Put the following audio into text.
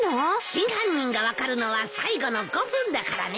真犯人が分かるのは最後の５分だからね。